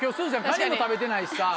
カニも食べてないしさ。